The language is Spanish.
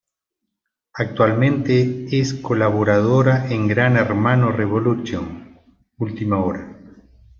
Actualmente es colaboradora en "Gran Hermano Revolution: Ultima Hora".